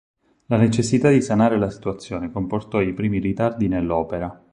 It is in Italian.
La necessità di sanare la situazione comportò i primi ritardi nell'opera.